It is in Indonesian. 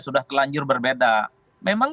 sudah telanjur berbeda memang